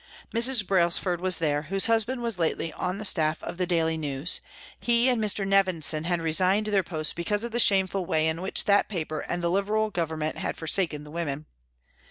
Mrs. Brailsford was there, whose husband was lately on the staff of the Daily News ; he and Mr. Nevinson had resigned their posts because of the shameful way in which that paper and the Liberal Government had for saken the women.